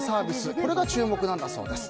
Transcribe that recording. これが注目なんだそうです。